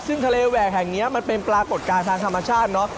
ซึ่งทะเลแหวกแห่งนี้มันเป็นปรากฏการณ์ทางธรรมชาติเนอะ